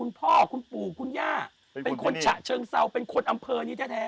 คุณพ่อคุณปู่คุณย่าเป็นคนฉะเชิงเซาเป็นคนอำเภอนี้แท้